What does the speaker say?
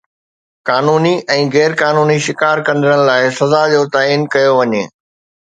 قانوني ۽ غير قانوني شڪار ڪندڙن لاءِ سزا جو تعين ڪيو وڃي